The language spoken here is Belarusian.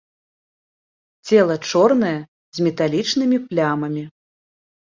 Цела чорнае з металічнымі плямамі.